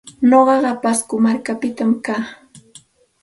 Nuqaqa Pasco markapita kaa.